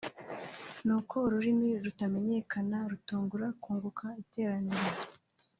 nuko ururimi rutamenyekana rutungura (kunguka) iteraniro